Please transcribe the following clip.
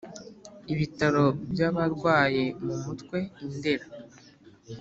Ibitaro byabarwaye mumutwe indera